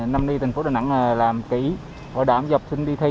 năm nay thành phố đà nẵng làm kỹ bảo đảm cho học sinh đi thi